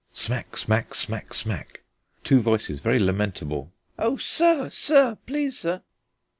(Smack, smack, smack, smack.) Two voices, very lamentable: "O sir, sir, please sir!"